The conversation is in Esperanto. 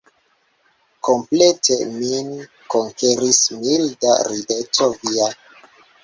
Komplete min konkeris milda rideto via.